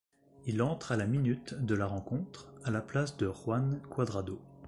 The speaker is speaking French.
Il entre à la minute de la rencontre, à la place de Juan Cuadrado.